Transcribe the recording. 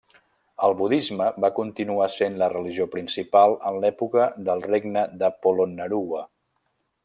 El budisme va continuar sent la religió principal en l'època del regne de Polonnaruwa.